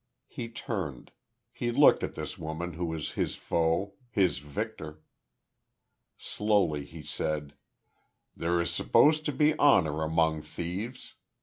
He turned. He looked at this woman who was his foe his victor. Slowly he said: "There is supposed to be honor among thieves.